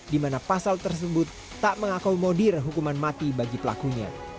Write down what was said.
dimana pasal tersebut tak mengakomodir hukuman mati bagi pelakunya